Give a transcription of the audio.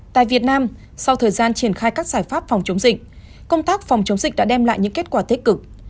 tại việt nam sau thời gian triển khai các giải pháp phòng chống dịch công tác phòng chống dịch đã đem lại những kết quả tích cực